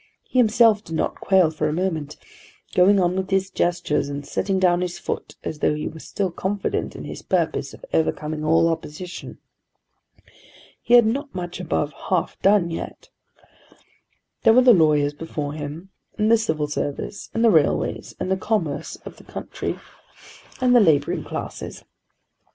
He himself did not quail for a moment, going on with his gestures, and setting down his foot as though he were still confident in his purpose of overcoming all opposition. He had not much above half done yet. There were the lawyers before him, and the Civil Service, and the railways, and the commerce of the country, and the labouring classes.